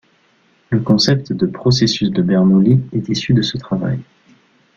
Le concept de processus de Bernoulli est issu de ce travail.